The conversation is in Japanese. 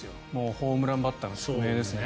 ホームランバッターの宿命ですね。